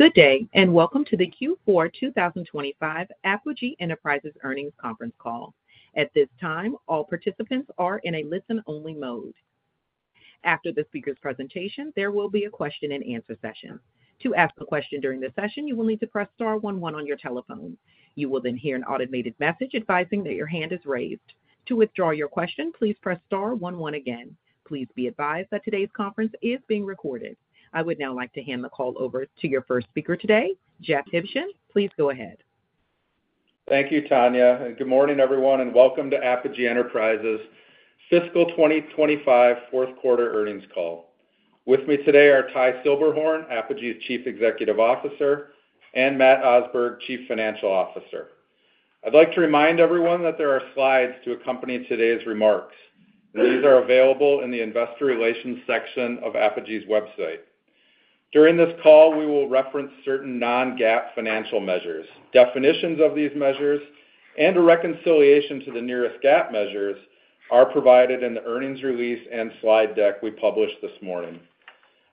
Good day, and welcome to the Q4 2025 Apogee Enterprises Earnings Conference call. At this time, all participants are in a listen-only mode. After the speaker's presentation, there will be a question-and-answer session. To ask a question during the session, you will need to press star one one on your telephone. You will then hear an automated message advising that your hand is raised. To withdraw your question, please press star one one again. Please be advised that today's conference is being recorded. I would now like to hand the call over to your first speaker today, Jeff Huebschen. Please go ahead. Thank you, Tanya. Good morning, everyone, and welcome to Apogee Enterprises' Fiscal 2025 Fourth Quarter Earnings Call. With me today are Ty Silberhorn, Apogee's Chief Executive Officer, and Matt Osberg, Chief Financial Officer. I'd like to remind everyone that there are slides to accompany today's remarks. These are available in the Investor Relations section of Apogee's website. During this call, we will reference certain non-GAAP financial measures. Definitions of these measures and a reconciliation to the nearest GAAP measures are provided in the earnings release and slide deck we published this morning.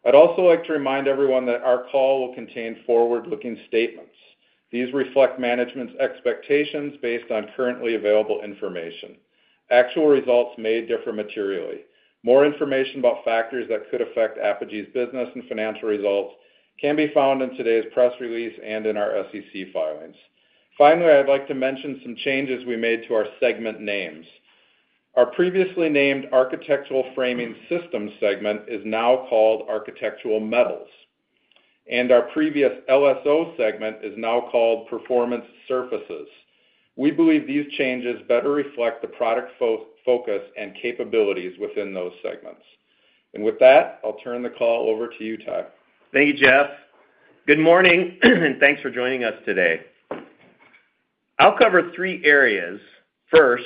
I'd also like to remind everyone that our call will contain forward-looking statements. These reflect management's expectations based on currently available information. Actual results may differ materially. More information about factors that could affect Apogee's business and financial results can be found in today's press release and in our SEC filings. Finally, I'd like to mention some changes we made to our segment names. Our previously named Architectural Framing Systems segment is now called Architectural Metals, and our previous LSO segment is now called Performance Surfaces. We believe these changes better reflect the product focus and capabilities within those segments. With that, I'll turn the call over to you, Ty. Thank you, Jeff. Good morning, and thanks for joining us today. I'll cover three areas. First,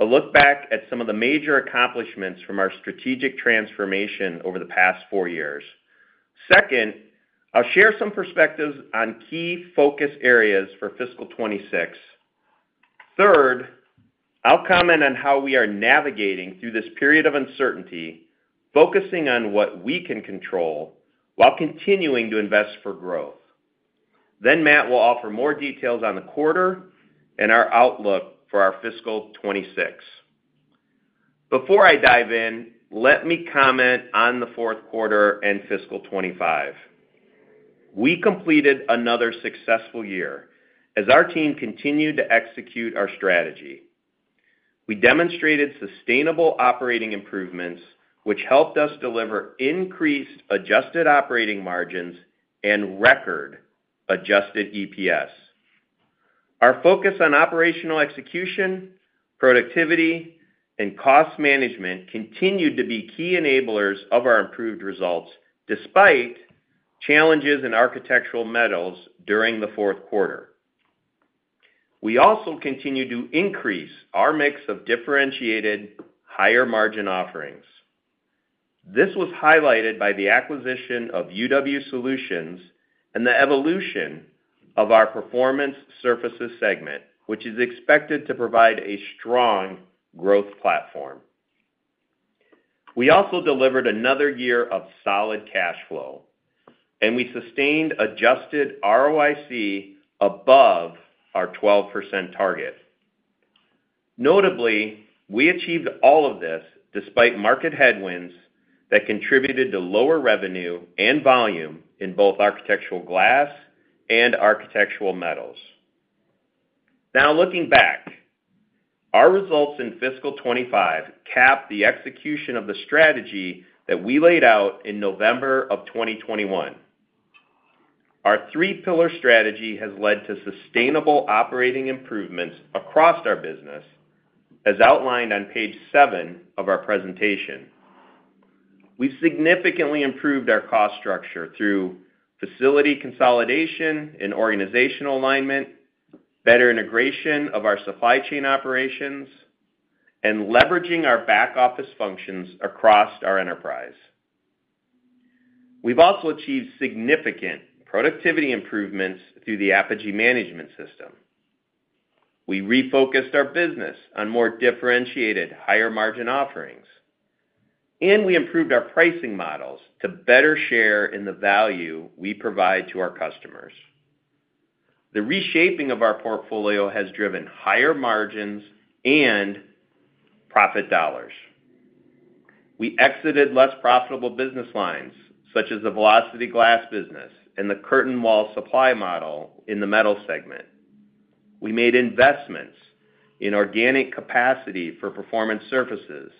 a look back at some of the major accomplishments from our strategic transformation over the past four years. Second, I'll share some perspectives on key focus areas for Fiscal 2026. Third, I'll comment on how we are navigating through this period of uncertainty, focusing on what we can control while continuing to invest for growth. Matt will offer more details on the quarter and our outlook for our Fiscal 2026. Before I dive in, let me comment on the fourth quarter and Fiscal 2025. We completed another successful year as our team continued to execute our strategy. We demonstrated sustainable operating improvements, which helped us deliver increased adjusted operating margins and record adjusted EPS. Our focus on operational execution, productivity, and cost management continued to be key enablers of our improved results despite challenges in Architectural Metals during the fourth quarter. We also continued to increase our mix of differentiated, higher-margin offerings. This was highlighted by the acquisition of UW Solutions and the evolution of our Performance Surfaces segment, which is expected to provide a strong growth platform. We also delivered another year of solid cash flow, and we sustained adjusted ROIC above our 12% target. Notably, we achieved all of this despite market headwinds that contributed to lower revenue and volume in both Architectural Glass and Architectural Metals. Now, looking back, our results in Fiscal 2025 capped the execution of the strategy that we laid out in November of 2021. Our three-pillar strategy has led to sustainable operating improvements across our business, as outlined on page seven of our presentation. We've significantly improved our cost structure through facility consolidation and organizational alignment, better integration of our supply chain operations, and leveraging our back-office functions across our enterprise. We've also achieved significant productivity improvements through the Apogee Management System. We refocused our business on more differentiated, higher-margin offerings, and we improved our pricing models to better share in the value we provide to our customers. The reshaping of our portfolio has driven higher margins and profit dollars. We exited less profitable business lines, such as the Velocity Glass business and the curtain wall supply model in the Metal segment. We made investments in organic capacity for performance surfaces,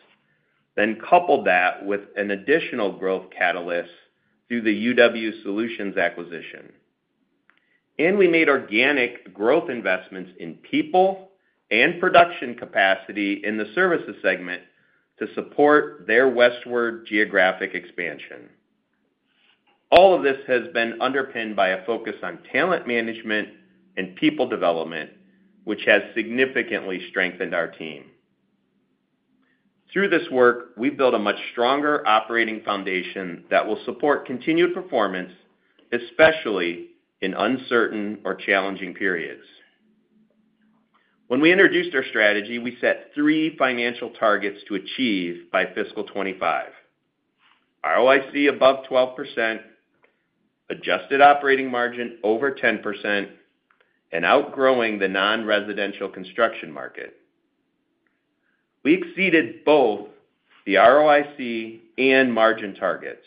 then coupled that with an additional growth catalyst through the UW Solutions acquisition. We made organic growth investments in people and production capacity in the Services segment to support their westward geographic expansion. All of this has been underpinned by a focus on talent management and people development, which has significantly strengthened our team. Through this work, we've built a much stronger operating foundation that will support continued performance, especially in uncertain or challenging periods. When we introduced our strategy, we set three financial targets to achieve by Fiscal 2025: ROIC above 12%, adjusted operating margin over 10%, and outgrowing the non-residential construction market. We exceeded both the ROIC and margin targets.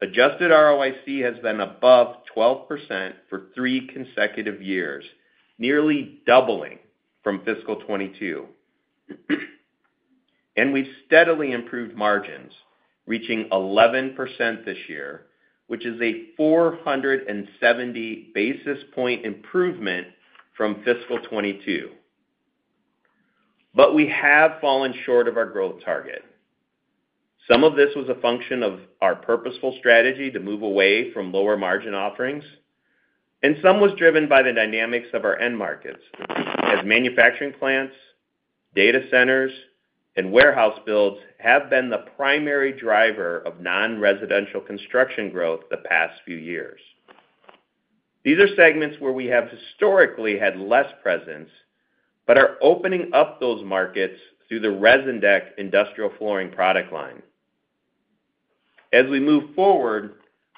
Adjusted ROIC has been above 12% for three consecutive years, nearly doubling from Fiscal 2022. We've steadily improved margins, reaching 11% this year, which is a 470-basis-point improvement from Fiscal 2022, but we have fallen short of our growth target. Some of this was a function of our purposeful strategy to move away from lower margin offerings, and some was driven by the dynamics of our end markets, as manufacturing plants, data centers, and warehouse builds have been the primary driver of non-residential construction growth the past few years. These are segments where we have historically had less presence but are opening up those markets through the ResinDek industrial flooring product line. As we move forward,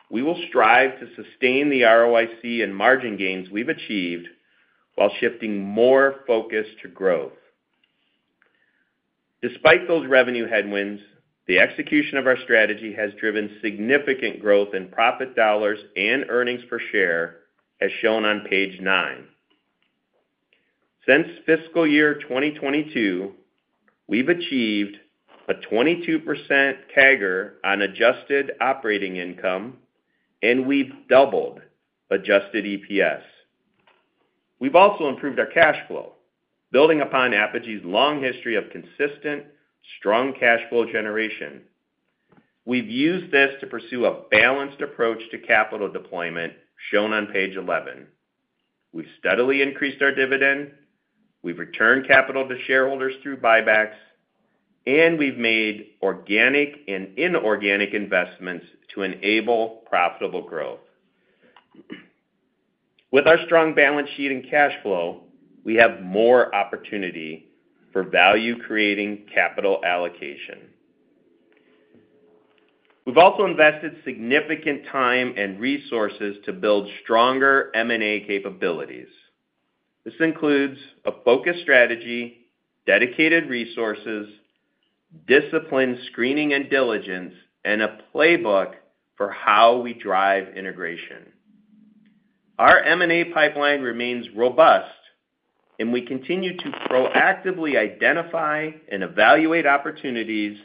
we will strive to sustain the ROIC and margin gains we've achieved while shifting more focus to growth. Despite those revenue headwinds, the execution of our strategy has driven significant growth in profit dollars and earnings per share, as shown on page nine. Since Fiscal Year 2022, we've achieved a 22% CAGR on adjusted operating income, and we've doubled adjusted EPS. We've also improved our cash flow, building upon Apogee's long history of consistent, strong cash flow generation. We've used this to pursue a balanced approach to capital deployment, shown on page 11. We've steadily increased our dividend. We've returned capital to shareholders through buybacks, and we've made organic and inorganic investments to enable profitable growth. With our strong balance sheet and cash flow, we have more opportunity for value-creating capital allocation. We've also invested significant time and resources to build stronger M&A capabilities. This includes a focused strategy, dedicated resources, disciplined screening and diligence, and a playbook for how we drive integration. Our M&A pipeline remains robust, and we continue to proactively identify and evaluate opportunities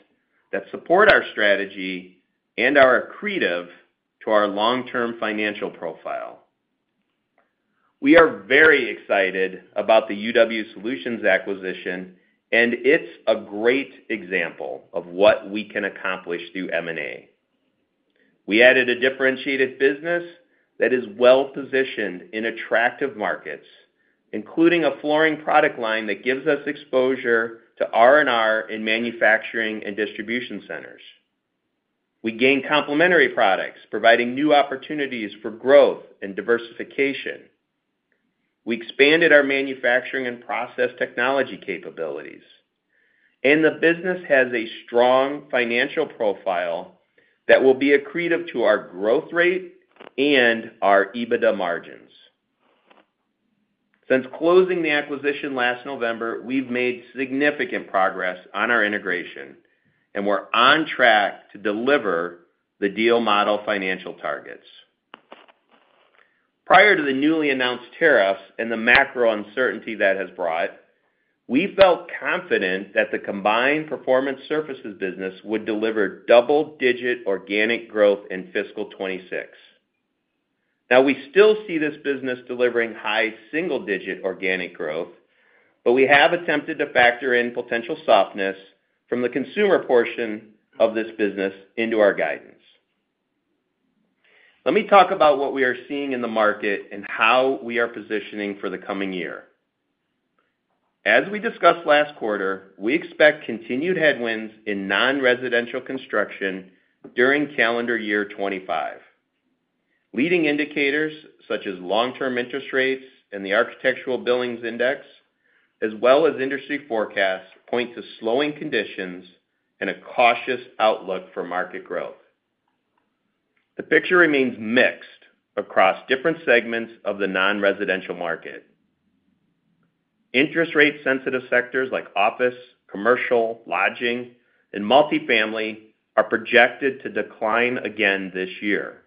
that support our strategy and are accretive to our long-term financial profile. We are very excited about the UW Solutions acquisition, and it's a great example of what we can accomplish through M&A. We added a differentiated business that is well-positioned in attractive markets, including a flooring product line that gives us exposure to R&R in manufacturing and distribution centers. We gained complementary products, providing new opportunities for growth and diversification. We expanded our manufacturing and process technology capabilities, and the business has a strong financial profile that will be accretive to our growth rate and our EBITDA margins. Since closing the acquisition last November, we've made significant progress on our integration, and we're on track to deliver the deal model financial targets. Prior to the newly announced tariffs and the macro uncertainty that has brought, we felt confident that the combined performance surfaces business would deliver double-digit organic growth in Fiscal 2026. Now, we still see this business delivering high single-digit organic growth, but we have attempted to factor in potential softness from the consumer portion of this business into our guidance. Let me talk about what we are seeing in the market and how we are positioning for the coming year. As we discussed last quarter, we expect continued headwinds in non-residential construction during calendar year 2025. Leading indicators such as long-term interest rates and the Architecture Billings Index, as well as industry forecasts, point to slowing conditions and a cautious outlook for market growth. The picture remains mixed across different segments of the non-residential market. Interest rate-sensitive sectors like office, commercial, lodging, and multifamily are projected to decline again this year.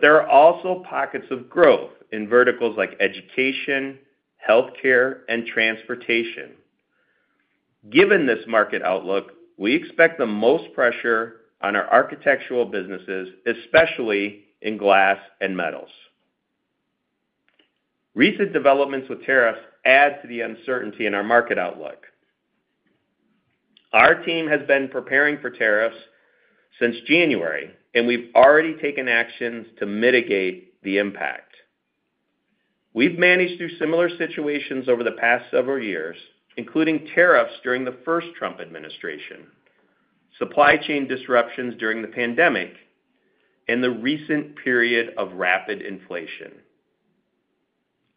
There are also pockets of growth in verticals like education, healthcare, and transportation. Given this market outlook, we expect the most pressure on our architectural businesses, especially in glass and metals. Recent developments with tariffs add to the uncertainty in our market outlook. Our team has been preparing for tariffs since January, and we've already taken actions to mitigate the impact. We've managed through similar situations over the past several years, including tariffs during the first Trump administration, supply chain disruptions during the pandemic, and the recent period of rapid inflation.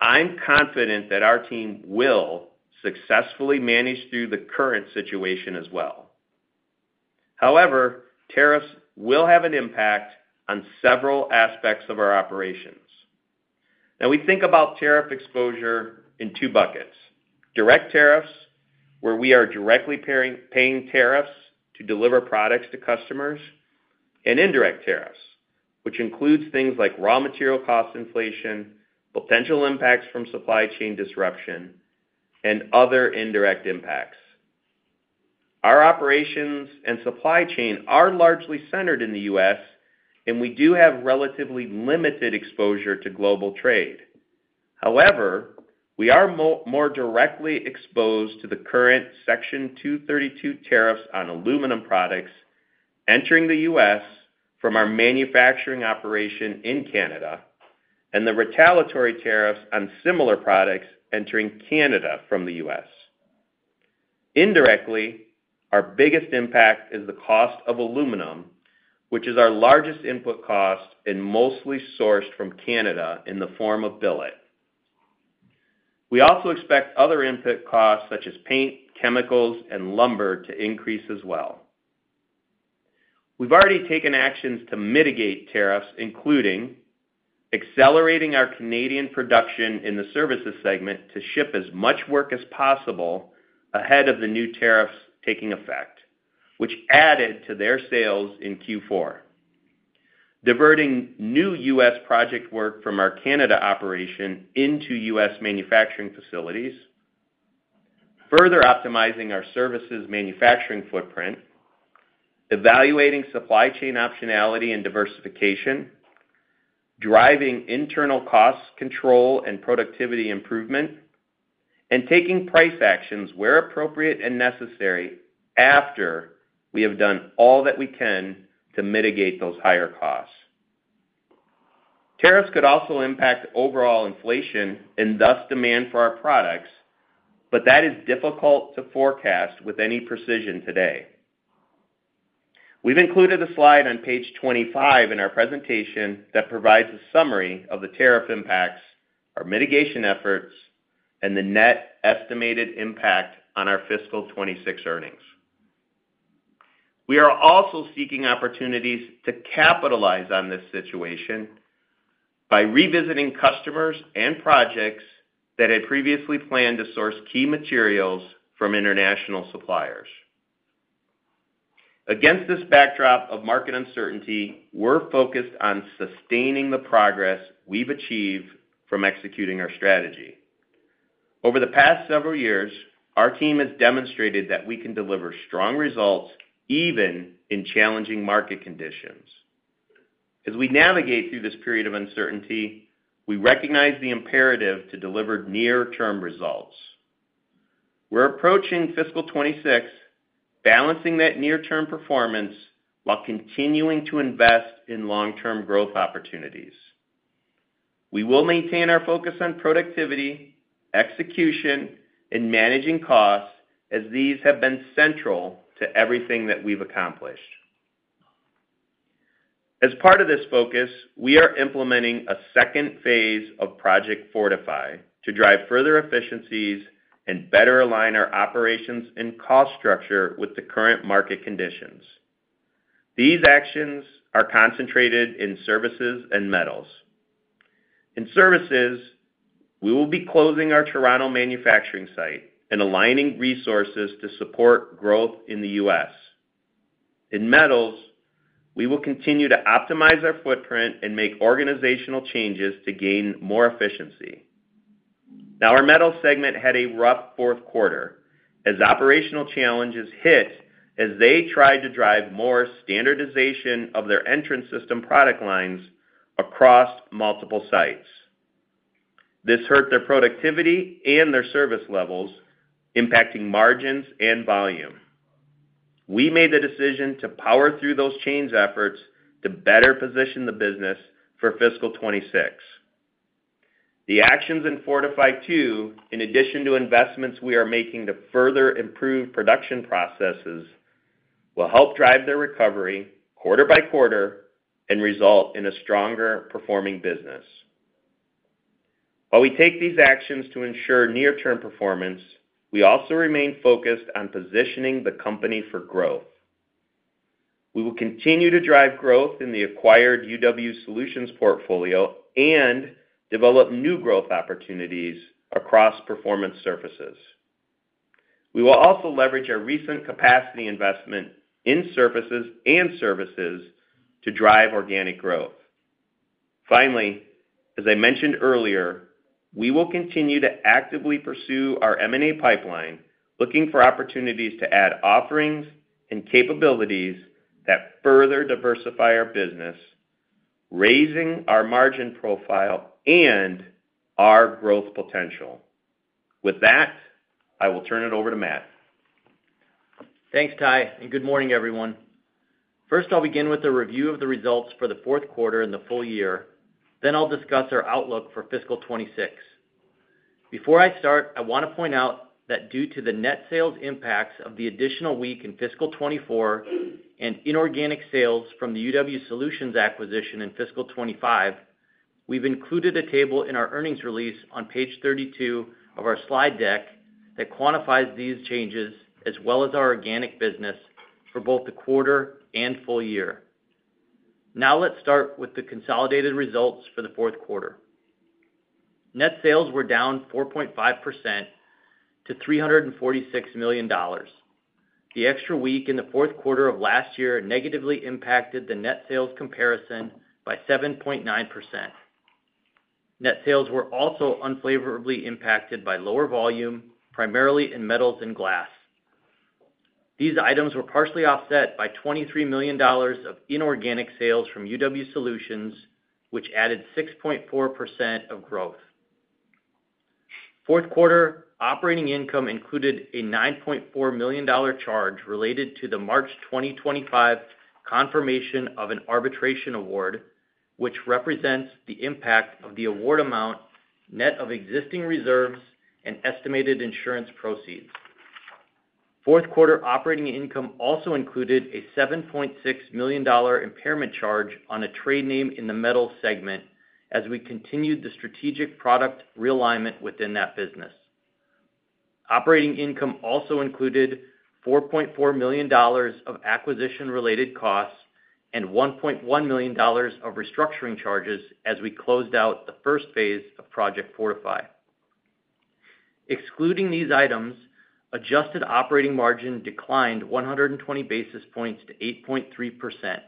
I'm confident that our team will successfully manage through the current situation as well. However, tariffs will have an impact on several aspects of our operations. Now, we think about tariff exposure in two buckets: direct tariffs, where we are directly paying tariffs to deliver products to customers, and indirect tariffs, which includes things like raw material cost inflation, potential impacts from supply chain disruption, and other indirect impacts. Our operations and supply chain are largely centered in the U.S., and we do have relatively limited exposure to global trade. However, we are more directly exposed to the current Section 232 tariffs on aluminum products entering the U.S. from our manufacturing operation in Canada and the retaliatory tariffs on similar products entering Canada from the U.S. Indirectly, our biggest impact is the cost of aluminum, which is our largest input cost and mostly sourced from Canada in the form of billet. We also expect other input costs such as paint, chemicals, and lumber to increase as well. We've already taken actions to mitigate tariffs, including accelerating our Canadian production in the Services segment to ship as much work as possible ahead of the new tariffs taking effect, which added to their sales in Q4, diverting new U.S. project work from our Canada operation into U.S. manufacturing facilities, further optimizing our services manufacturing footprint, evaluating supply chain optionality and diversification, driving internal cost control and productivity improvement, and taking price actions where appropriate and necessary after we have done all that we can to mitigate those higher costs. Tariffs could also impact overall inflation and thus demand for our products, but that is difficult to forecast with any precision today. We've included a slide on page 25 in our presentation that provides a summary of the tariff impacts, our mitigation efforts, and the net estimated impact on our Fiscal 2026 earnings. We are also seeking opportunities to capitalize on this situation by revisiting customers and projects that had previously planned to source key materials from international suppliers. Against this backdrop of market uncertainty, we're focused on sustaining the progress we've achieved from executing our strategy. Over the past several years, our team has demonstrated that we can deliver strong results even in challenging market conditions. As we navigate through this period of uncertainty, we recognize the imperative to deliver near-term results. We're approaching Fiscal 2026, balancing that near-term performance while continuing to invest in long-term growth opportunities. We will maintain our focus on productivity, execution, and managing costs as these have been central to everything that we've accomplished. As part of this focus, we are implementing a second phase of Project Fortify to drive further efficiencies and better align our operations and cost structure with the current market conditions. These actions are concentrated in Services and Metals. In Services, we will be closing our Toronto manufacturing site and aligning resources to support growth in the U.S. In Metals, we will continue to optimize our footprint and make organizational changes to gain more efficiency. Now, our Metals segment had a rough fourth quarter as operational challenges hit as they tried to drive more standardization of their entrance system product lines across multiple sites. This hurt their productivity and their Service levels, impacting margins and volume. We made the decision to power through those change efforts to better position the business for Fiscal 2026. The actions in Fortify 2, in addition to investments we are making to further improve production processes, will help drive their recovery quarter by quarter and result in a stronger performing business. While we take these actions to ensure near-term performance, we also remain focused on positioning the company for growth. We will continue to drive growth in the acquired UW Solutions portfolio and develop new growth opportunities across Performance Surfaces. We will also leverage our recent capacity investment in surfaces and services to drive organic growth. Finally, as I mentioned earlier, we will continue to actively pursue our M&A pipeline, looking for opportunities to add offerings and capabilities that further diversify our business, raising our margin profile and our growth potential. With that, I will turn it over to Matt. Thanks, Ty, and good morning, everyone. First, I'll begin with a review of the results for the fourth quarter and the full year. Then I'll discuss our outlook for Fiscal 2026. Before I start, I want to point out that due to the net sales impacts of the additional week in Fiscal 2024 and inorganic sales from the UW Solutions acquisition in Fiscal 2025, we've included a table in our earnings release on page 32 of our slide deck that quantifies these changes as well as our organic business for both the quarter and full year. Now, let's start with the consolidated results for the fourth quarter. Net sales were down 4.5% to $346 million. The extra week in the fourth quarter of last year negatively impacted the net sales comparison by 7.9%. Net sales were also unfavorably impacted by lower volume, primarily in Metals and Glass. These items were partially offset by $23 million of inorganic sales from UW Solutions, which added 6.4% of growth. Fourth quarter operating income included a $9.4 million charge related to the March 2025 confirmation of an arbitration award, which represents the impact of the award amount, net of existing reserves, and estimated insurance proceeds. Fourth quarter operating income also included a $7.6 million impairment charge on a trade name in the Metals segment as we continued the strategic product realignment within that business. Operating income also included $4.4 million of acquisition-related costs and $1.1 million of restructuring charges as we closed out the first phase of Project Fortify. Excluding these items, adjusted operating margin declined 120 basis points to 8.3%,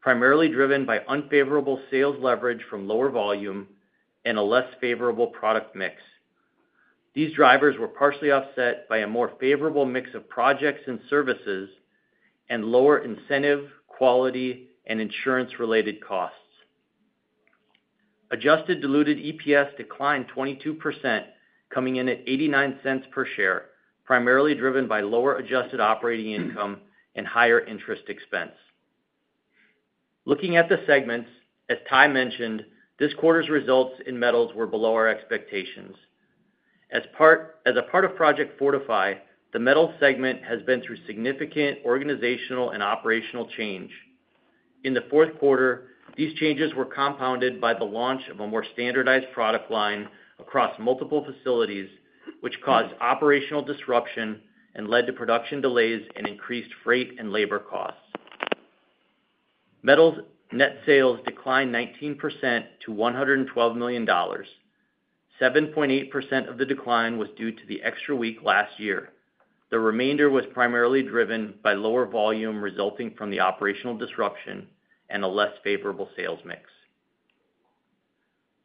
primarily driven by unfavorable sales leverage from lower volume and a less favorable product mix. These drivers were partially offset by a more favorable mix of projects and services and lower incentive, quality, and insurance-related costs. Adjusted diluted EPS declined 22%, coming in at $0.89 per share, primarily driven by lower adjusted operating income and higher interest expense. Looking at the segments, as Ty mentioned, this quarter's results in Metals were below our expectations. As a part of Project Fortify, the Metals segment has been through significant organizational and operational change. In the fourth quarter, these changes were compounded by the launch of a more standardized product line across multiple facilities, which caused operational disruption and led to production delays and increased freight and labor costs. Metals net sales declined 19% to $112 million, 7.8% of the decline was due to the extra week last year. The remainder was primarily driven by lower volume resulting from the operational disruption and a less favorable sales mix.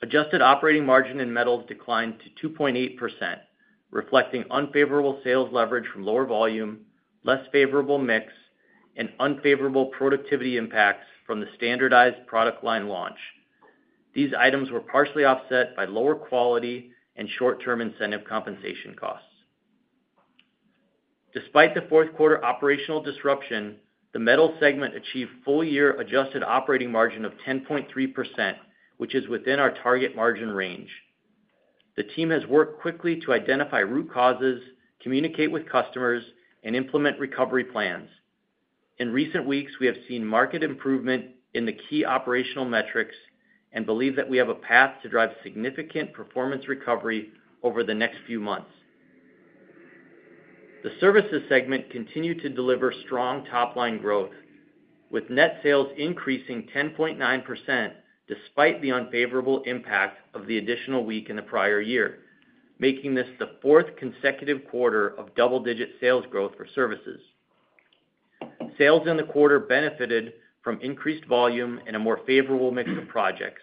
Adjusted operating margin in Metals declined to 2.8%, reflecting unfavorable sales leverage from lower volume, less favorable mix, and unfavorable productivity impacts from the standardized product line launch. These items were partially offset by lower quality and short-term incentive compensation costs. Despite the fourth quarter operational disruption, the Metals segment achieved full-year adjusted operating margin of 10.3%, which is within our target margin range. The team has worked quickly to identify root causes, communicate with customers, and implement recovery plans. In recent weeks, we have seen market improvement in the key operational metrics and believe that we have a path to drive significant performance recovery over the next few months. The services segment continued to deliver strong top-line growth, with net sales increasing 10.9% despite the unfavorable impact of the additional week in the prior year, making this the fourth consecutive quarter of double-digit sales growth for Services. Sales in the quarter benefited from increased volume and a more favorable mix of projects.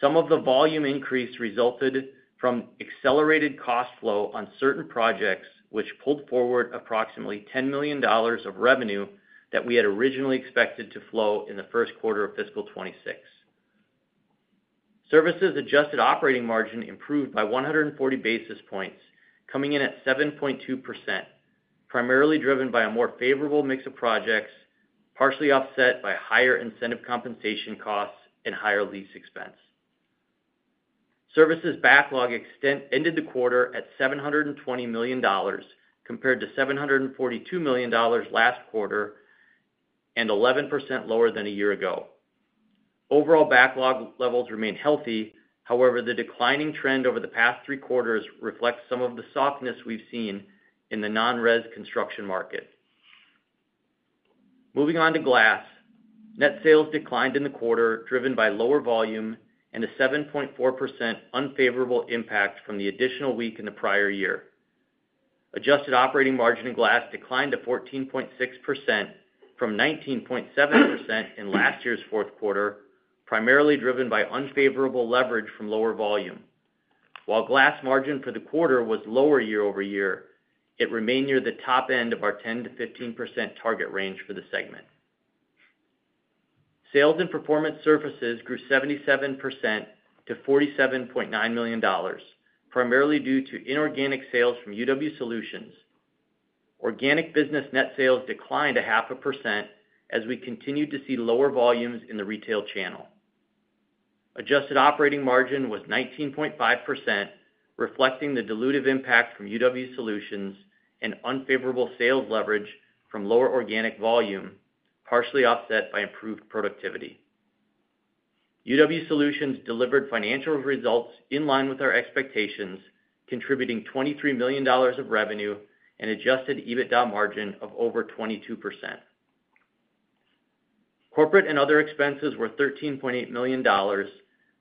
Some of the volume increase resulted from accelerated cost flow on certain projects, which pulled forward approximately $10 million of revenue that we had originally expected to flow in the first quarter of Fiscal 2026. Services adjusted operating margin improved by 140 basis points, coming in at 7.2%, primarily driven by a more favorable mix of projects, partially offset by higher incentive compensation costs and higher lease expense. Services backlog ended the quarter at $720 million compared to $742 million last quarter and 11% lower than a year ago. Overall backlog levels remained healthy, however, the declining trend over the past three quarters reflects some of the softness we've seen in the non-res construction market. Moving on to Glass, net sales declined in the quarter driven by lower volume and a 7.4% unfavorable impact from the additional week in the prior year. Adjusted operating margin in Glass declined to 14.6% from 19.7% in last year's fourth quarter, primarily driven by unfavorable leverage from lower volume. While Glass margin for the quarter was lower year-over-year, it remained near the top end of our 10%-15% target range for the segment. Sales in Performance Surfaces grew 77% to $47.9 million, primarily due to inorganic sales from UW Solutions. Organic business net sales declined 0.5% as we continued to see lower volumes in the retail channel. Adjusted operating margin was 19.5%, reflecting the diluted impact from UW Solutions and unfavorable sales leverage from lower organic volume, partially offset by improved productivity. UW Solutions delivered financial results in line with our expectations, contributing $23 million of revenue and adjusted EBITDA margin of over 22%. Corporate and other expenses were $13.8 million,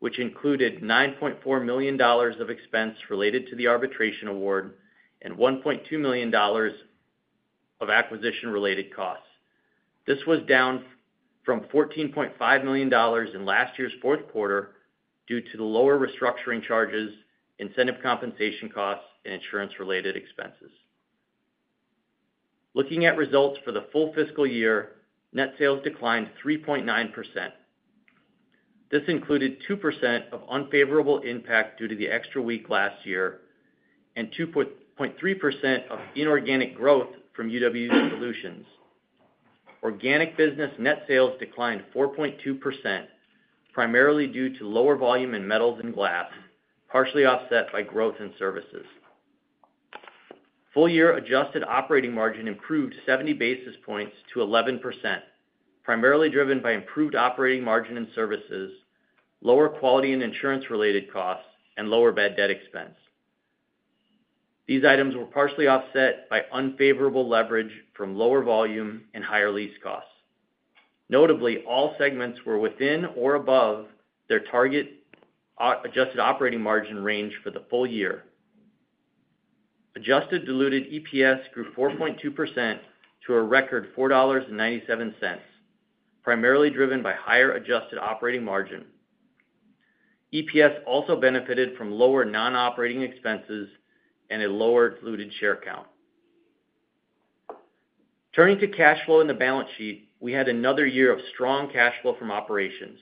which included $9.4 million of expense related to the arbitration award and $1.2 million of acquisition-related costs. This was down from $14.5 million in last year's fourth quarter due to the lower restructuring charges, incentive compensation costs, and insurance-related expenses. Looking at results for the full fiscal year, net sales declined 3.9%. This included 2% of unfavorable impact due to the extra week last year and 2.3% of inorganic growth from UW Solutions. Organic business net sales declined 4.2%, primarily due to lower volume in Metals and Glass, partially offset by growth in Services. Full-year adjusted operating margin improved 70 basis points to 11%, primarily driven by improved operating margin in Services, lower quality and insurance-related costs, and lower bad debt expense. These items were partially offset by unfavorable leverage from lower volume and higher lease costs. Notably, all segments were within or above their target adjusted operating margin range for the full year. Adjusted diluted EPS grew 4.2% to a record $4.97, primarily driven by higher adjusted operating margin. EPS also benefited from lower non-operating expenses and a lower diluted share count. Turning to cash flow in the balance sheet, we had another year of strong cash flow from operations.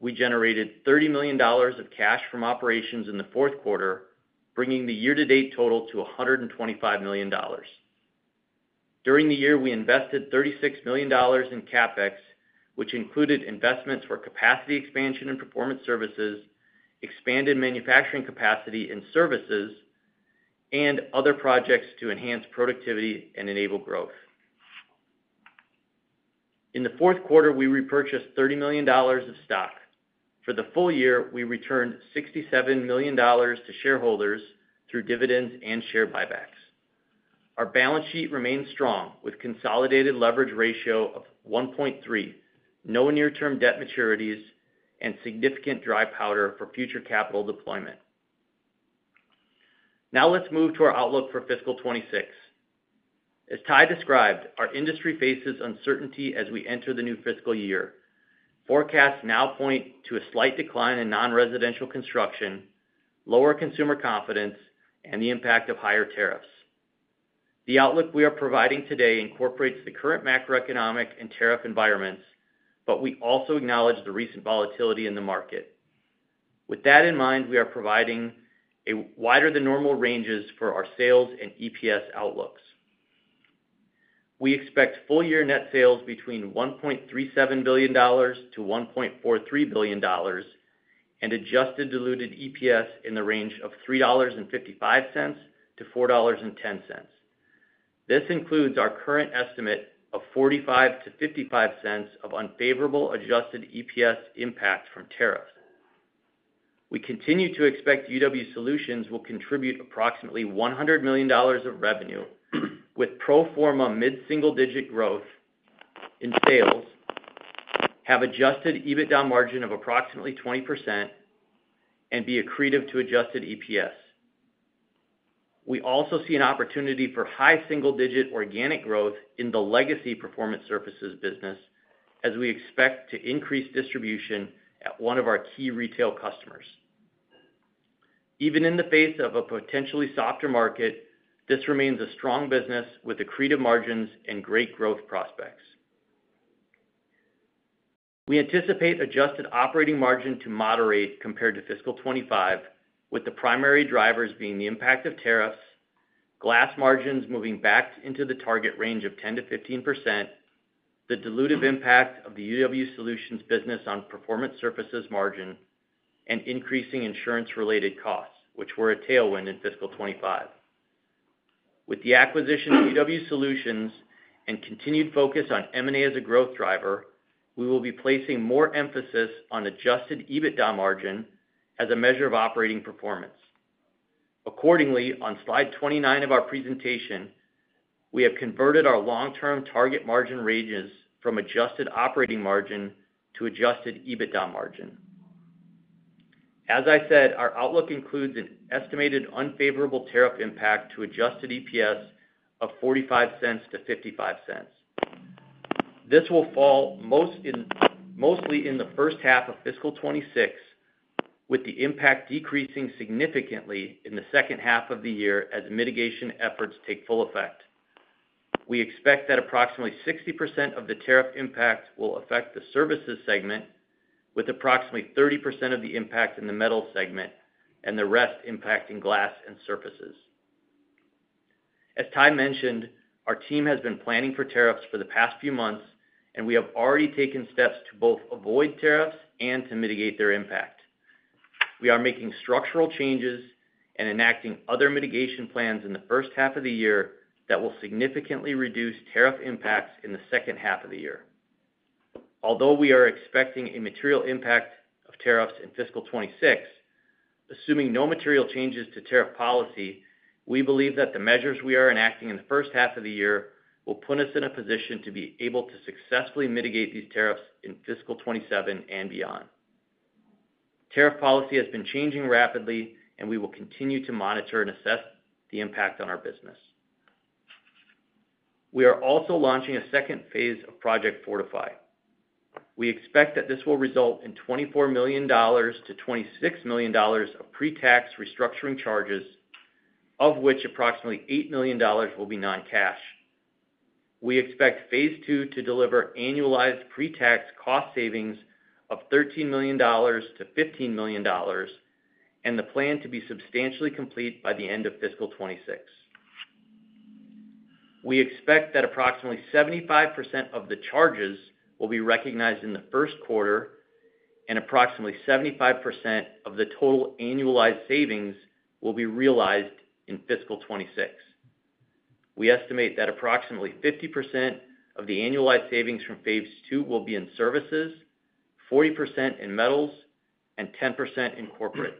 We generated $30 million of cash from operations in the fourth quarter, bringing the year-to-date total to $125 million. During the year, we invested $36 million in CapEx, which included investments for capacity expansion in Performance Surfaces, expanded manufacturing capacity in Services, and other projects to enhance productivity and enable growth. In the fourth quarter, we repurchased $30 million of stock. For the full year, we returned $67 million to shareholders through dividends and share buybacks. Our balance sheet remained strong with a consolidated leverage ratio of 1.3, no near-term debt maturities, and significant dry powder for future capital deployment. Now, let's move to our outlook for Fiscal 2026. As Ty described, our industry faces uncertainty as we enter the new fiscal year. Forecasts now point to a slight decline in non-residential construction, lower consumer confidence, and the impact of higher tariffs. The outlook we are providing today incorporates the current macroeconomic and tariff environments, but we also acknowledge the recent volatility in the market. With that in mind, we are providing wider-than-normal ranges for our sales and EPS outlooks. We expect full-year net sales between $1.37 billion-$1.43 billion and adjusted diluted EPS in the range of $3.55-$4.10. This includes our current estimate of $0.45-$0.55 of unfavorable adjusted EPS impact from tariffs. We continue to expect UW Solutions will contribute approximately $100 million of revenue with pro forma mid-single-digit growth in sales, have adjusted EBITDA margin of approximately 20%, and be accretive to adjusted EPS. We also see an opportunity for high single-digit organic growth in the legacy Performance Surfaces business as we expect to increase distribution at one of our key retail customers. Even in the face of a potentially softer market, this remains a strong business with accretive margins and great growth prospects. We anticipate adjusted operating margin to moderate compared to Fiscal 2025, with the primary drivers being the impact of tariffs, Glass margins moving back into the target range of 10%-15%, the diluted impact of the UW Solutions business on Performance Surfaces margin, and increasing insurance-related costs, which were a tailwind in Fiscal 2025. With the acquisition of UW Solutions and continued focus on M&A as a growth driver, we will be placing more emphasis on adjusted EBITDA margin as a measure of operating performance. Accordingly, on slide 29 of our presentation, we have converted our long-term target margin ranges from adjusted operating margin to adjusted EBITDA margin. As I said, our outlook includes an estimated unfavorable tariff impact to adjusted EPS of $0.45-$0.55. This will fall mostly in the first half of Fiscal 2026, with the impact decreasing significantly in the second half of the year as mitigation efforts take full effect. We expect that approximately 60% of the tariff impact will affect the Services segment, with approximately 30% of the impact in the Metals segment and the rest impacting Glass and Surfaces. As Ty mentioned, our team has been planning for tariffs for the past few months, and we have already taken steps to both avoid tariffs and to mitigate their impact. We are making structural changes and enacting other mitigation plans in the first half of the year that will significantly reduce tariff impacts in the second half of the year. Although we are expecting a material impact of tariffs in Fiscal 2026, assuming no material changes to tariff policy, we believe that the measures we are enacting in the first half of the year will put us in a position to be able to successfully mitigate these tariffs in Fiscal 2027 and beyond. Tariff policy has been changing rapidly, and we will continue to monitor and assess the impact on our business. We are also launching a second phase of Project Fortify. We expect that this will result in $24 million-$26 million of pre-tax restructuring charges, of which approximately $8 million will be non-cash. We expect phase two to deliver annualized pre-tax cost savings of $13 million-$15 million, and the plan to be substantially complete by the end of Fiscal 2026. We expect that approximately 75% of the charges will be recognized in the first quarter, and approximately 75% of the total annualized savings will be realized in Fiscal 2026. We estimate that approximately 50% of the annualized savings from phase two will be in Services, 40% in Metals, and 10% in Corporate.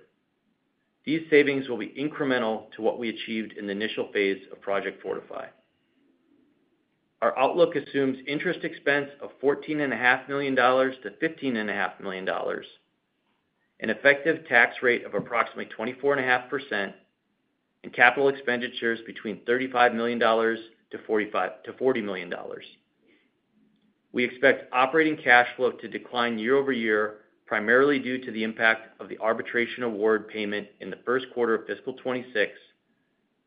These savings will be incremental to what we achieved in the initial phase of Project Fortify. Our outlook assumes interest expense of $14.5 million-$15.5 million, an effective tax rate of approximately 24.5%, and capital expenditures between $35 million and $40 million. We expect operating cash flow to decline year-over-year, primarily due to the impact of the arbitration award payment in the first quarter of Fiscal 2026,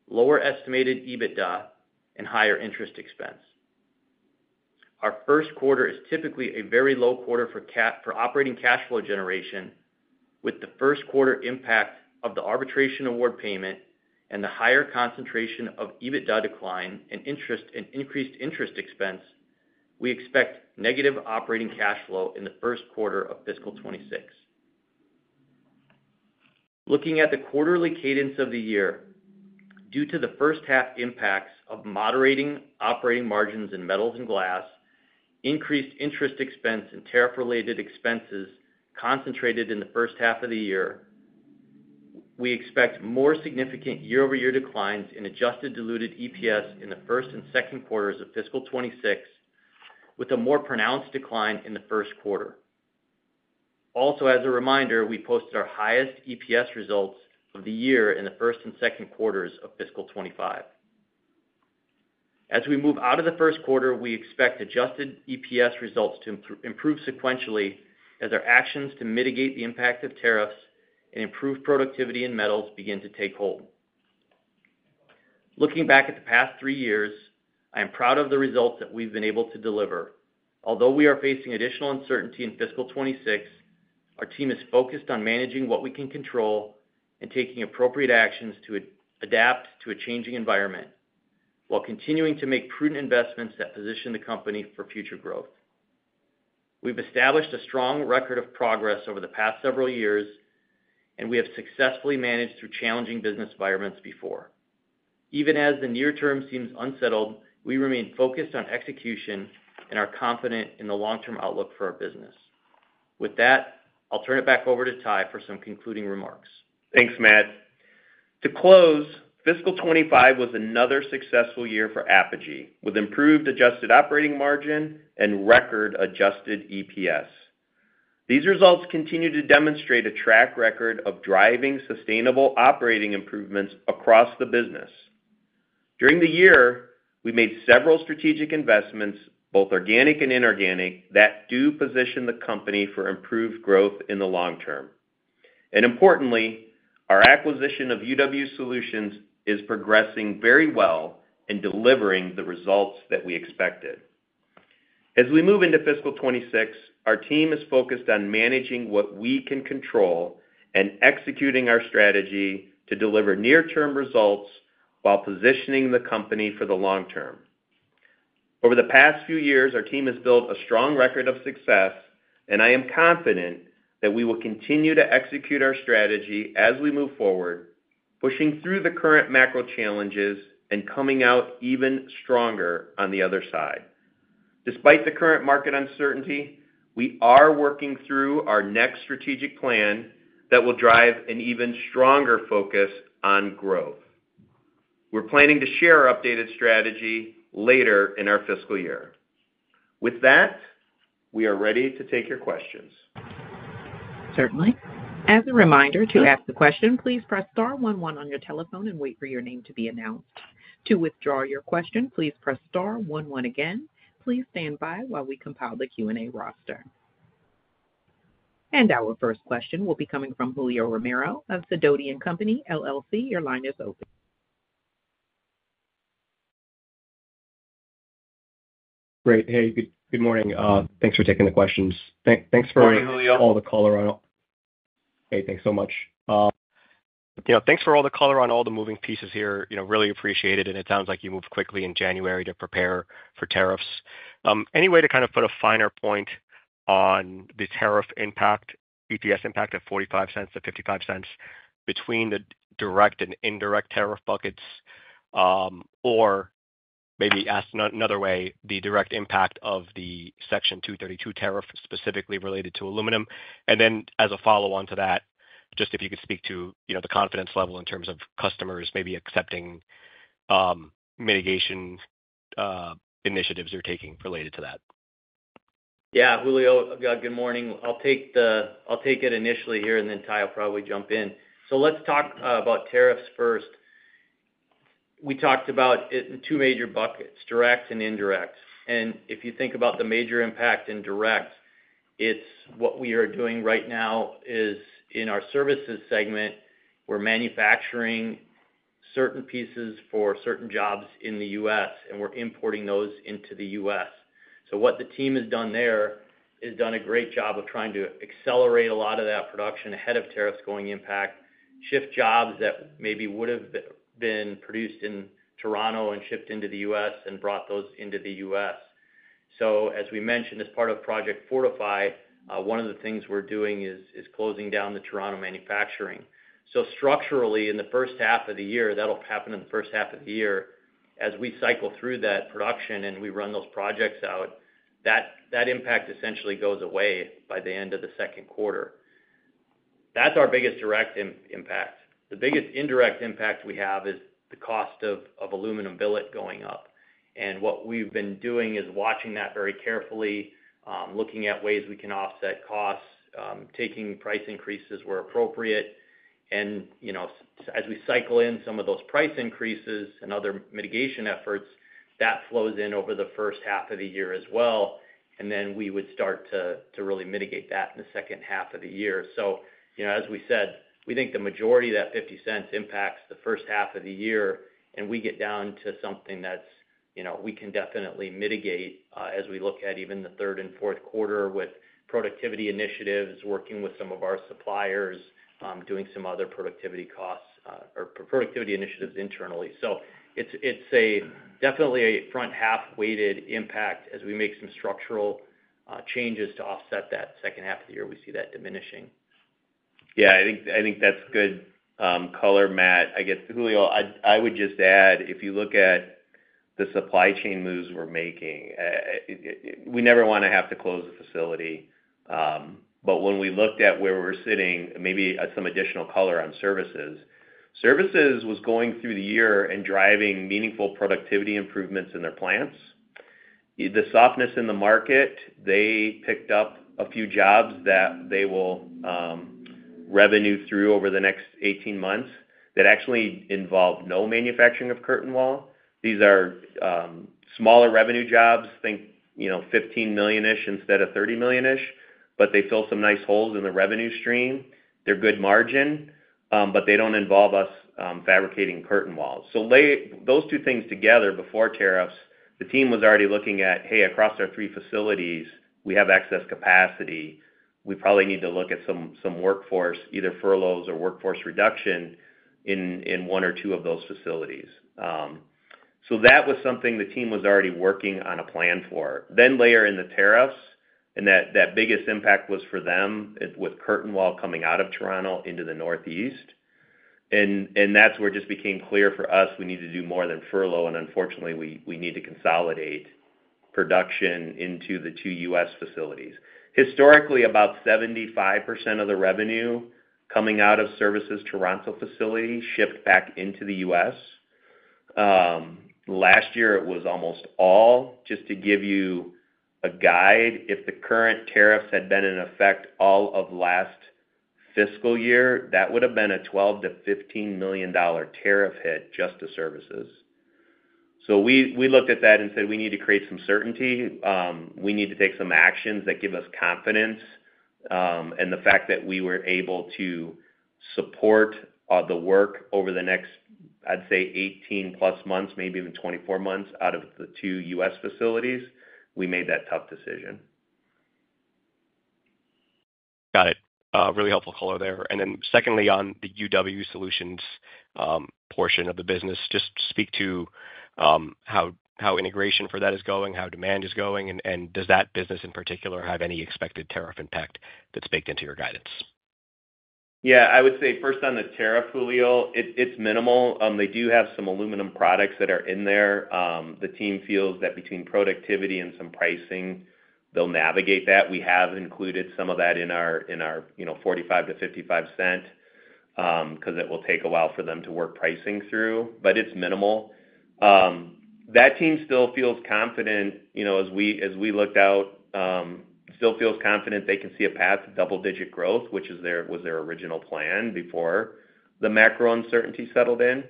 lower estimated EBITDA, and higher interest expense. Our first quarter is typically a very low quarter for operating cash flow generation. With the first quarter impact of the arbitration award payment and the higher concentration of EBITDA decline and increased interest expense, we expect negative operating cash flow in the first quarter of Fiscal 2026. Looking at the quarterly cadence of the year, due to the first half impacts of moderating operating margins in metals and glass, increased interest expense, and tariff-related expenses concentrated in the first half of the year, we expect more significant year-over-year declines in adjusted diluted EPS in the first and second quarters of Fiscal 2026, with a more pronounced decline in the first quarter. Also, as a reminder, we posted our highest EPS results of the year in the first and second quarters of Fiscal 2025. As we move out of the first quarter, we expect adjusted EPS results to improve sequentially as our actions to mitigate the impact of tariffs and improve productivity in Metals begin to take hold. Looking back at the past three years, I am proud of the results that we've been able to deliver. Although we are facing additional uncertainty in Fiscal 2026, our team is focused on managing what we can control and taking appropriate actions to adapt to a changing environment while continuing to make prudent investments that position the company for future growth. We've established a strong record of progress over the past several years, and we have successfully managed through challenging business environments before. Even as the near term seems unsettled, we remain focused on execution and are confident in the long-term outlook for our business. With that, I'll turn it back over to Ty for some concluding remarks. Thanks, Matt. To close, Fiscal 2025 was another successful year for Apogee, with improved adjusted operating margin and record adjusted EPS. These results continue to demonstrate a track record of driving sustainable operating improvements across the business. During the year, we made several strategic investments, both organic and inorganic, that do position the company for improved growth in the long term. Importantly, our acquisition of UW Solutions is progressing very well and delivering the results that we expected. As we move into Fiscal 2026, our team is focused on managing what we can control and executing our strategy to deliver near-term results while positioning the company for the long term. Over the past few years, our team has built a strong record of success, and I am confident that we will continue to execute our strategy as we move forward, pushing through the current macro challenges and coming out even stronger on the other side. Despite the current market uncertainty, we are working through our next strategic plan that will drive an even stronger focus on growth. We're planning to share our updated strategy later in our fiscal year. With that, we are ready to take your questions. Certainly. As a reminder to ask the question, please press star one one on your telephone and wait for your name to be announced. To withdraw your question, please press star one one again. Please stand by while we compile the Q&A roster. Our first question will be coming from Julio Romero of Sidoti & Company LLC. Your line is open. Great. Hey, good morning. Thanks for taking the questions. Thanks for all the color on all the moving pieces here. Really appreciate it. It sounds like you moved quickly in January to prepare for tariffs. Any way to kind of put a finer point on the tariff impact, EPS impact at $0.45-$0.55 between the direct and indirect tariff buckets, or maybe asked another way, the direct impact of the Section 232 tariff specifically related to aluminum? As a follow-on to that, just if you could speak to the confidence level in terms of customers maybe accepting mitigation initiatives you're taking related to that. Yeah, Julio, good morning. I'll take it initially here, and then Ty will probably jump in. Let's talk about tariffs first. We talked about two major buckets, direct and indirect. If you think about the major impact in direct, what we are doing right now is in our Services segment, we're manufacturing certain pieces for certain jobs in the U.S., and we're importing those into the U.S. What the team has done there is done a great job of trying to accelerate a lot of that production ahead of tariffs going impact, shift jobs that maybe would have been produced in Toronto and shipped into the U.S. and brought those into the U.S. As we mentioned, as part of Project Fortify, one of the things we're doing is closing down the Toronto manufacturing. Structurally, in the first half of the year, that'll happen in the first half of the year. As we cycle through that production and we run those projects out, that impact essentially goes away by the end of the second quarter. That is our biggest direct impact. The biggest indirect impact we have is the cost of aluminum billet going up. What we have been doing is watching that very carefully, looking at ways we can offset costs, taking price increases where appropriate. As we cycle in some of those price increases and other mitigation efforts, that flows in over the first half of the year as well. We would start to really mitigate that in the second half of the year. As we said, we think the majority of that $0.50 impacts the first half of the year, and we get down to something that we can definitely mitigate as we look at even the third and fourth quarter with productivity initiatives, working with some of our suppliers, doing some other productivity costs or productivity initiatives internally. It is definitely a front-half-weighted impact. As we make some structural changes to offset that second half of the year, we see that diminishing. I think that's good color, Matt. I guess, Julio, I would just add, if you look at the supply chain moves we're making, we never want to have to close the facility. When we looked at where we're sitting, maybe some additional color on Services, Services was going through the year and driving meaningful productivity improvements in their plants. The softness in the market, they picked up a few jobs that they will revenue through over the next 18 months that actually involve no manufacturing of curtain wall. These are smaller revenue jobs, think $15 million-ish instead of $30 million-ish, but they fill some nice holes in the revenue stream. They're good margin, but they don't involve us fabricating curtain walls. Those two things together before tariffs, the team was already looking at, "Hey, across our three facilities, we have excess capacity. We probably need to look at some workforce, either furloughs or workforce reduction in one or two of those facilities." That was something the team was already working on a plan for. Layer in the tariffs, and that biggest impact was for them with curtain wall coming out of Toronto into the northeast. That's where it just became clear for us we need to do more than furlough, and unfortunately, we need to consolidate production into the two U.S. facilities. Historically, about 75% of the revenue coming out of Services' Toronto facility shipped back into the U.S. Last year, it was almost all. Just to give you a guide, if the current tariffs had been in effect all of last fiscal year, that would have been a $12 million-$15 million tariff hit just to Services. We looked at that and said, "We need to create some certainty. We need to take some actions that give us confidence." The fact that we were able to support the work over the next, I'd say, 18 plus months, maybe even 24 months out of the two U.S. facilities, we made that tough decision. Got it. Really helpful color there. Secondly, on the UW Solutions portion of the business, just speak to how integration for that is going, how demand is going, and does that business in particular have any expected tariff impact that's baked into your guidance? Yeah, I would say first on the tariff, Julio, it's minimal. They do have some aluminum products that are in there. The team feels that between productivity and some pricing, they'll navigate that. We have included some of that in our $0.45-$0.55 because it will take a while for them to work pricing through, but it's minimal. That team still feels confident as we looked out, still feels confident they can see a path to double-digit growth, which was their original plan before the macro uncertainty settled in.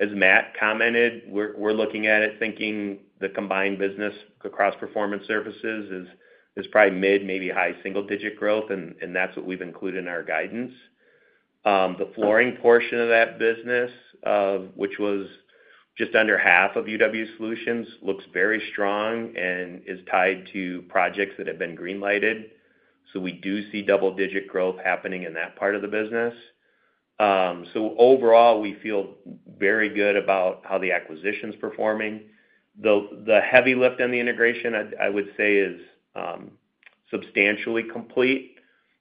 As Matt commented, we're looking at it thinking the combined business across Performance Surfaces is probably mid, maybe high single-digit growth, and that's what we've included in our guidance. The flooring portion of that business, which was just under half of UW Solutions, looks very strong and is tied to projects that have been greenlighted. We do see double-digit growth happening in that part of the business. Overall, we feel very good about how the acquisition's performing. The heavy lift in the integration, I would say, is substantially complete.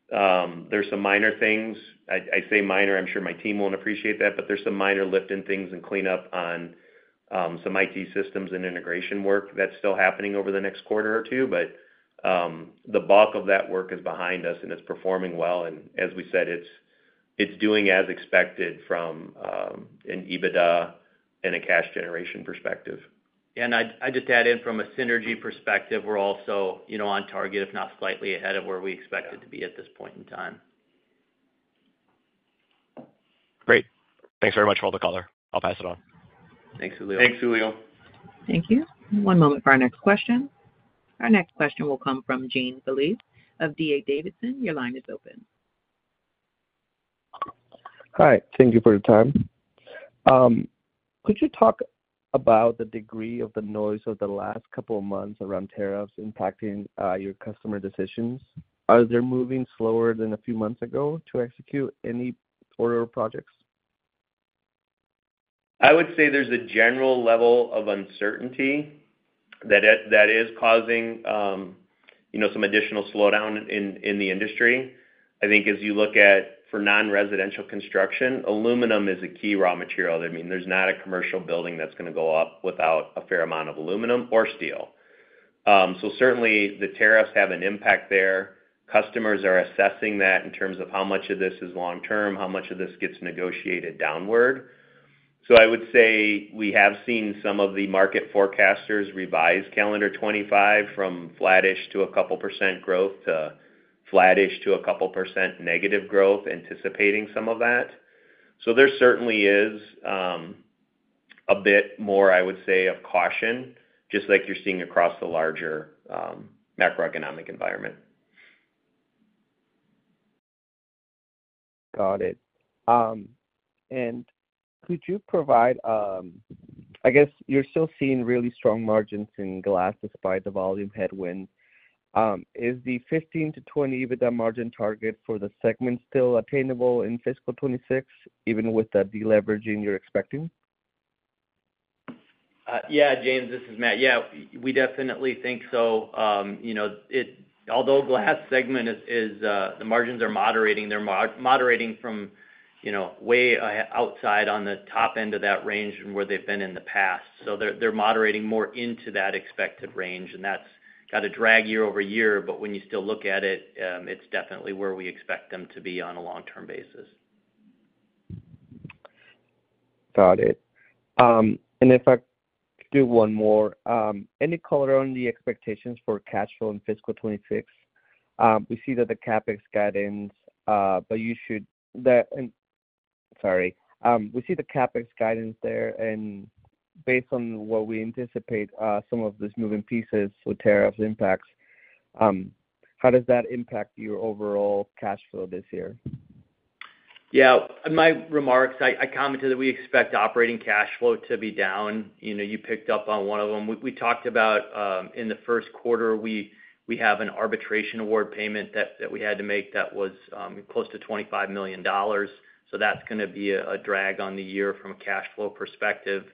There are some minor things. I say minor. I'm sure my team won't appreciate that, but there is some minor lift in things and cleanup on some IT systems and integration work that's still happening over the next quarter or two. The bulk of that work is behind us, and it's performing well. As we said, it's doing as expected from an EBITDA and a cash-generation perspective. I just add in from a synergy perspective, we're also on target, if not slightly ahead of where we expected to be at this point in time. Great. Thanks very much for all the color. I'll pass it on. Thanks, Julio. Thanks, Julio. Thank you. One moment for our next question. Our next question will come from Jean Philippe of D.A. Davidson. Your line is open. Hi. Thank you for your time. Could you talk about the degree of the noise of the last couple of months around tariffs impacting your customer decisions? Are they moving slower than a few months ago to execute any order or projects? I would say there's a general level of uncertainty that is causing some additional slowdown in the industry. I think as you look at for non-residential construction, aluminum is a key raw material. I mean, there's not a commercial building that's going to go up without a fair amount of aluminum or steel. Certainly, the tariffs have an impact there. Customers are assessing that in terms of how much of this is long-term, how much of this gets negotiated downward. I would say we have seen some of the market forecasters revise calendar 2025 from flattish to a couple percent growth to flattish to a couple percent negative growth, anticipating some of that. There certainly is a bit more, I would say, of caution, just like you're seeing across the larger macroeconomic environment. Got it. I guess you're still seeing really strong margins in Glass despite the volume headwinds. Is the 15%-20% EBITDA margin target for the segment still attainable in Fiscal 2026, even with the deleveraging you're expecting? Yeah, Jean, this is Matt. Yeah, we definitely think so. Although Glass segment, the margins are moderating. They're moderating from way outside on the top end of that range and where they've been in the past. They're moderating more into that expected range, and that's got to drag year-over-year. When you still look at it, it's definitely where we expect them to be on a long-term basis. Got it. If I could do one more, any color on the expectations for cash flow in Fiscal 2026? We see that the CapEx guidance, sorry. We see the CapEx guidance there. Based on what we anticipate, some of these moving pieces with tariffs impacts, how does that impact your overall cash flow this year? Yeah, my remarks, I commented that we expect operating cash flow to be down. You picked up on one of them. We talked about in the first quarter, we have an arbitration award payment that we had to make that was close to $25 million. That is going to be a drag on the year from a cash flow perspective.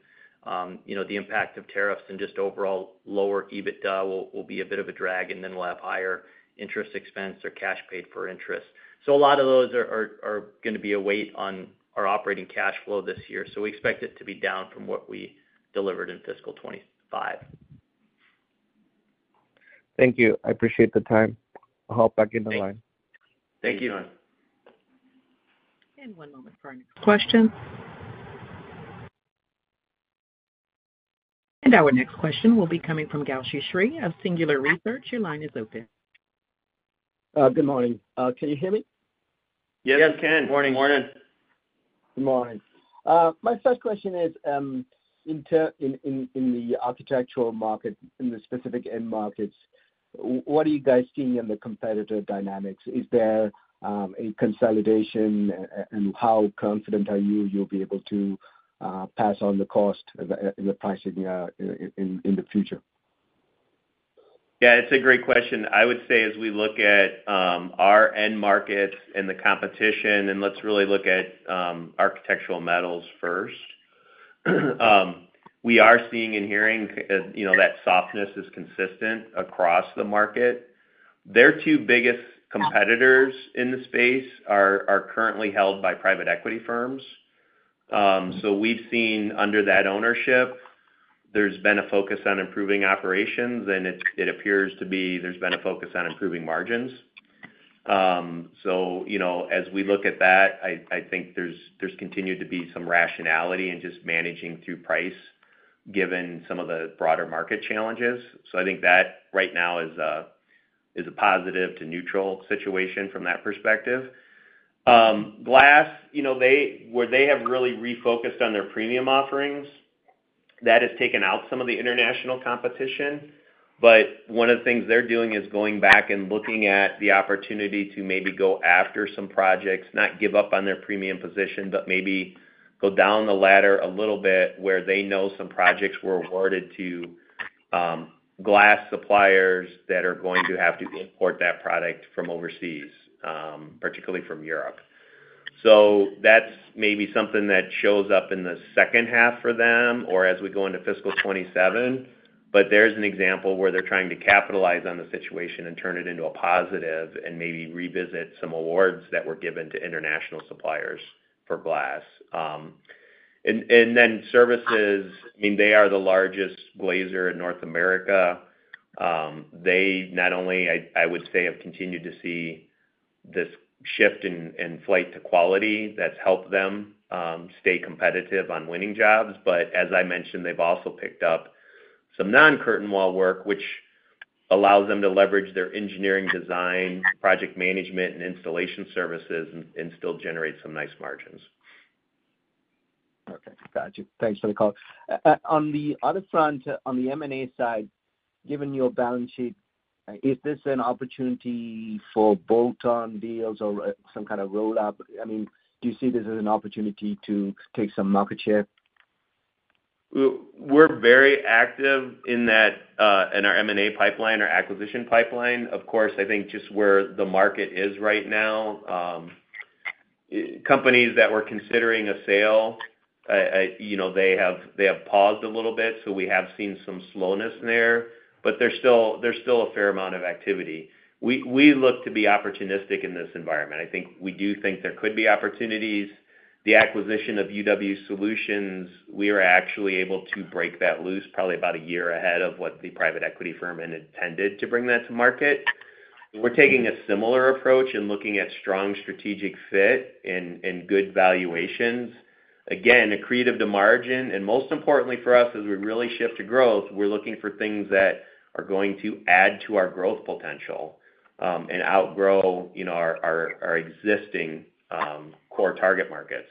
The impact of tariffs and just overall lower EBITDA will be a bit of a drag, and then we will have higher interest expense or cash paid for interest. A lot of those are going to be a weight on our operating cash flow this year. We expect it to be down from what we delivered in Fiscal 2025. Thank you. I appreciate the time. I'll hop back in the line. Thank you. One moment for our next question. Our next question will be coming from Gowshi Sriharan of Singular Research. Your line is open. Good morning. Can you hear me? Yes, we can. Good morning. Good morning. My first question is, in the architectural market, in the specific end markets, what are you guys seeing in the competitor dynamics? Is there a consolidation, and how confident are you you'll be able to pass on the cost in the pricing in the future? Yeah, it's a great question. I would say as we look at our end markets and the competition, and let's really look at Architectural Metals first, we are seeing and hearing that softness is consistent across the market. Their two biggest competitors in the space are currently held by private equity firms. We've seen under that ownership, there's been a focus on improving operations, and it appears to be there's been a focus on improving margins. As we look at that, I think there's continued to be some rationality in just managing through price given some of the broader market challenges. I think that right now is a positive to neutral situation from that perspective. Glass, where they have really refocused on their premium offerings, that has taken out some of the international competition. One of the things they're doing is going back and looking at the opportunity to maybe go after some projects, not give up on their premium position, but maybe go down the ladder a little bit where they know some projects were awarded to glass suppliers that are going to have to import that product from overseas, particularly from Europe. That's maybe something that shows up in the second half for them or as we go into Fiscal 2027. There's an example where they're trying to capitalize on the situation and turn it into a positive and maybe revisit some awards that were given to international suppliers for glass. In services, I mean, they are the largest glazier in North America. They not only, I would say, have continued to see this shift in flight to quality that's helped them stay competitive on winning jobs. As I mentioned, they've also picked up some non-curtain wall work, which allows them to leverage their engineering design, project management, and installation services and still generate some nice margins. Perfect. Gotcha. Thanks for the call. On the other front, on the M&A side, given your balance sheet, is this an opportunity for bolt-on deals or some kind of roll-up? I mean, do you see this as an opportunity to take some market share? We're very active in our M&A pipeline, our acquisition pipeline. Of course, I think just where the market is right now, companies that were considering a sale, they have paused a little bit. We have seen some slowness there, but there's still a fair amount of activity. We look to be opportunistic in this environment. I think we do think there could be opportunities. The acquisition of UW Solutions, we were actually able to break that loose probably about a year ahead of what the private equity firm intended to bring that to market. We're taking a similar approach and looking at strong strategic fit and good valuations. Again, accretive to margin. Most importantly for us, as we really shift to growth, we're looking for things that are going to add to our growth potential and outgrow our existing core target markets.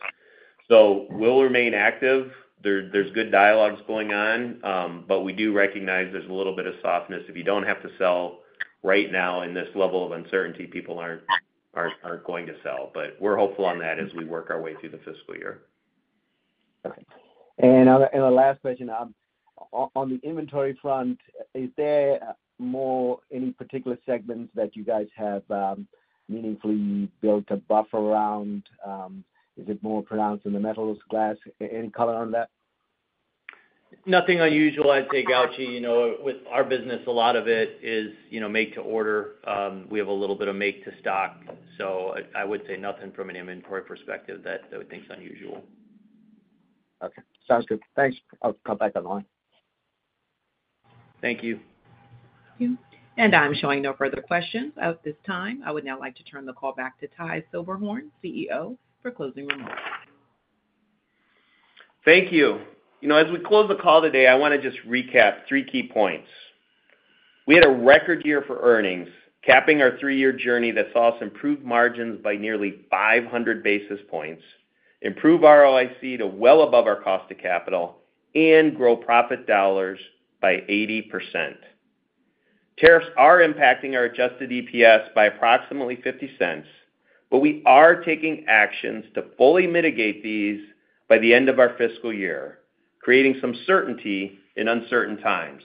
We will remain active. There are good dialogues going on, but we do recognize there is a little bit of softness. If you do not have to sell right now in this level of uncertainty, people are not going to sell. We are hopeful on that as we work our way through the fiscal year. Perfect. The last question, on the inventory front, is there any particular segments that you guys have meaningfully built a buffer around? Is it more pronounced in the Metals, Glass? Any color on that? Nothing unusual. I would say, Gowshi, with our business, a lot of it is make-to-order. We have a little bit of make-to-stock. I would say nothing from an inventory perspective that I would think is unusual. Okay. Sounds good. Thanks. I'll come back to the line. Thank you. Thank you. I'm showing no further questions at this time. I would now like to turn the call back to Ty Silberhorn, CEO, for closing remarks. Thank you. As we close the call today, I want to just recap three key points. We had a record year for earnings, capping our three-year journey that saw us improve margins by nearly 500 basis points, improve ROIC to well above our cost of capital, and grow profit dollars by 80%. Tariffs are impacting our adjusted EPS by approximately $0.50, but we are taking actions to fully mitigate these by the end of our fiscal year, creating some certainty in uncertain times.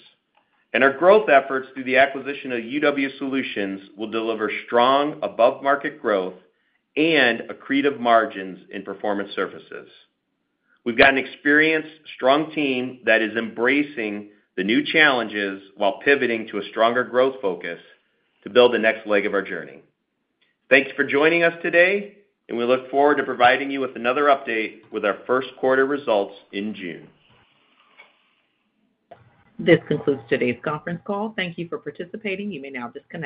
Our growth efforts through the acquisition of UW Solutions will deliver strong above-market growth and accretive margins in Performance Surfaces. We've got an experienced, strong team that is embracing the new challenges while pivoting to a stronger growth focus to build the next leg of our journey. Thanks for joining us today, and we look forward to providing you with another update with our first quarter results in June. This concludes today's conference call. Thank you for participating. You may now disconnect.